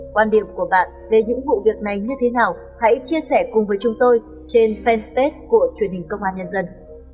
quan điểm của bạn về những vụ việc này như thế nào hãy chia sẻ cùng với chúng tôi trên fanpage của truyền hình công an nhân dân